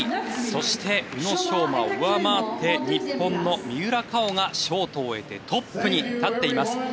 そして、宇野昌磨を上回って日本の三浦佳生がショートを終えてトップに立っています。